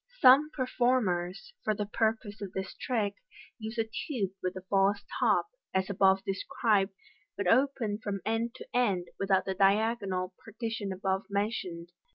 Some performers, for the purpose of this trick, use a tube with a false top, as above described, but open from end to end, without the diagonal partition above mentioned.